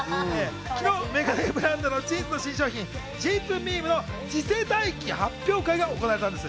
昨日、メガネブランドＪＩＮＳの新商品ＪＩＮＳＭＥＭＥの次世代機発表会が行われたんです。